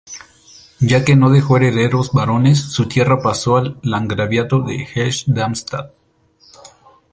Ya que no dejó herederos varones, su tierra pasó al landgraviato de Hesse-Darmstadt.